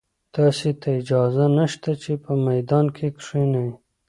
تاسي ته اجازه نشته چې په میدان کې کښېنئ.